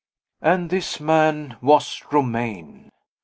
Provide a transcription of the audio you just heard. And this man was Romayne!